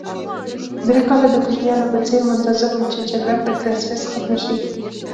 درې کاله د کوچنیانو په څېر منتظر وم چې جګړه په کرېسمس ختمه شي.